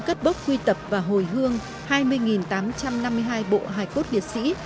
cất bốc quy tập và hồi hương hai mươi tám trăm năm mươi hai bộ hài cốt liệt sĩ